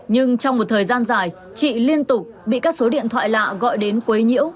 nhưng trong một thời gian dài chị liên tục bị các số điện thoại lạ gọi đến quấy nhiễu